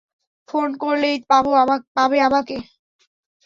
Phone করলেই পাবে আমাকে।